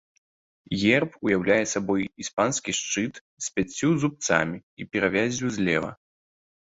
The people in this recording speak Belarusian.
Герб уяўляе сабой іспанскі шчыт з пяццю зубцамі і перавяззю злева.